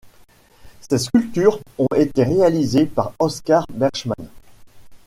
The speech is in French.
Ces sculptures ont été réalisées par Oscar Berchmans.